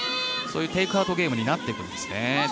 そういうテイクアウトゲームになっていくんですね。